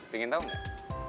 pingin tau gak